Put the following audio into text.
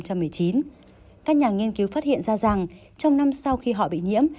các nhà nghiên cứu phát hiện ra rằng trong năm sau khi họ bị nhiễm